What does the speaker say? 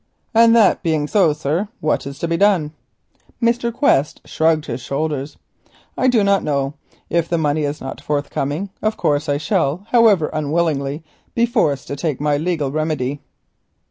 "And that being so, sir, what is to be done?" Mr. Quest shrugged his shoulders. "I do not know. If the money is not forthcoming, of course I shall, however unwillingly, be forced to take my legal remedy."